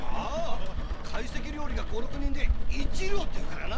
会席料理が五六人で一両っていうからな！